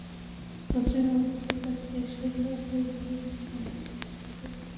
পশ্চিম অংশের কাজ শেষে হলে একইভাবে পূর্ব অংশের কাজ শুরু হবে।